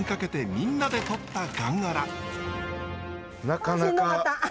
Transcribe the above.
なかなか。